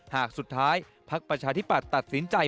หากสุดท้ายภักดิ์ประชาธิปัตย์ตัดสินใจ